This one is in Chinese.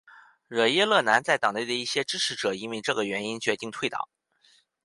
惹耶勒南在党内的一些支持者因为这个原因决定退党。